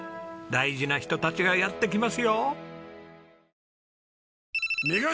大事な人たちがやって来ますよ。